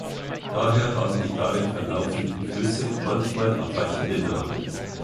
Daher haben die darin verlaufenden Flüsse manchmal abweichende Namen.